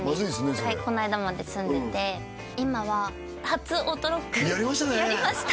それこの間まで住んでて今は初オートロックやりましたねやりました！